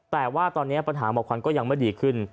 แต่ว่าตอนนี้ปัญหาหมอกควันก็ยังไม่ดีขึ้น